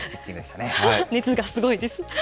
熱がすごいです。